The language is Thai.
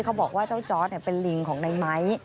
บอกว่าเจ้าจอร์ดเป็นลิงของในไม้